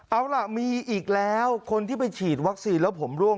เอาล่ะมีอีกแล้วคนที่ไปฉีดวัคซีนแล้วผมร่วง